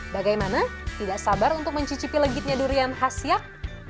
bagaimana tidak sabar untuk mencicipi legitnya durian khas siak